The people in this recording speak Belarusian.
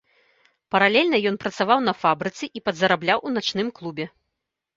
Паралельна ён працаваў на фабрыцы і падзарабляў у начным клубе.